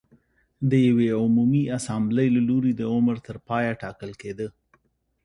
د یوې عمومي اسامبلې له لوري د عمر تر پایه ټاکل کېده